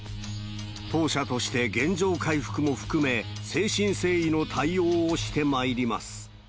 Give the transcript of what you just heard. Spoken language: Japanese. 当社として原状回復も含め、誠心誠意の対応をしてまいります。